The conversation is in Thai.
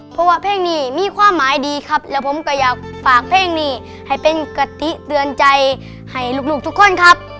เพราะว่าเพลงนี้มีความหมายดีครับแล้วผมก็อยากฝากเพลงนี้ให้เป็นกติเตือนใจให้ลูกทุกคนครับ